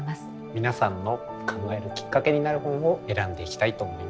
皆さんの考えるきっかけになる本を選んでいきたいと思います。